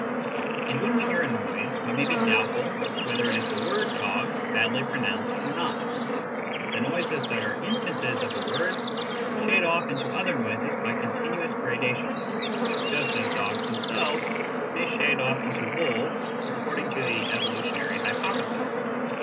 And when we hear a noise, we may be doubtful whether it is the word " dog " badly pronounced or not : the noises that are instances of a word shade off into other noises by continuous gradations, just as dogs themselves may shade off into wolves according to the evolutionary hypothesis.